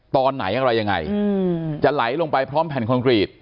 ตอนไหนอะไรยังไงจะไหลลงไปพร้อมแผ่นคอนกรีต